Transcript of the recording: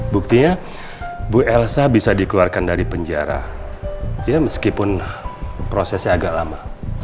buktinya bu elsa bisa dikeluarkan dari penjara meskipun prosesnya agak lama